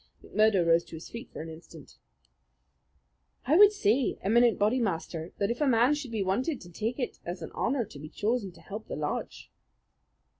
McMurdo rose to his feet for an instant. "I would say, Eminent Bodymaster, that if a man should be wanted I should take it as an honour to be chosen to help the lodge."